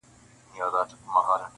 قاضي و ویل حاضر کئ دا نا اهله,